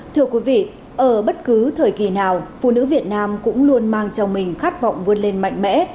thưa quý vị ở bất cứ thời kỳ nào phụ nữ việt nam cũng luôn mang trong mình khát vọng vươn lên mạnh mẽ